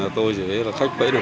tôi chỉ là khách bẫy đồng